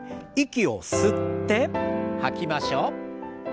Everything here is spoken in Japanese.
息を吸って吐きましょう。